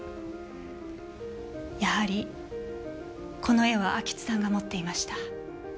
やはりこの絵は安芸津さんが持っていました。